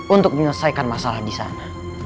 untuk menyelesaikan masalah disana